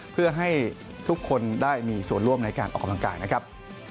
เพื่อให้ทุกคนได้มีส่วนร่วมในการออกกำลังกายนะครับ